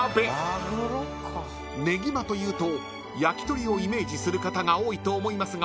［ねぎまというと焼き鳥をイメージする方が多いと思いますが］